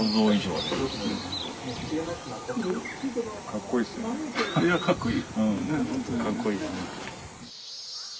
かっこいい。